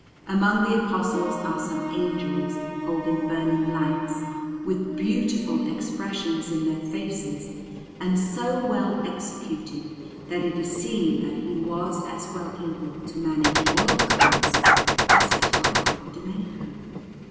Among the Apostles are some angels holding burning lights, with beautiful expressions in their faces, and so well executed that it is seen that he was as well able to manage oil colours as his rival Domenico.